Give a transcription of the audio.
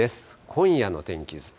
今夜の天気図。